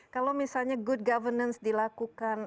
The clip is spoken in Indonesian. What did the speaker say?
kalau misalnya good governance dilakukan